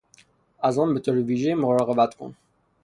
از آن به طور ویژهای مراقبت کن